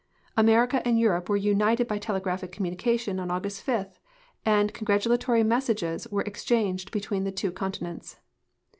America and Europe were united by telegraphic communication on August 5, and congratulatory messages were exchanged between the two continents.